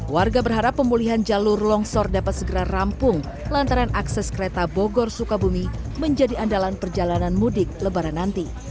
warga berharap pemulihan jalur longsor dapat segera rampung lantaran akses kereta bogor sukabumi menjadi andalan perjalanan mudik lebaran nanti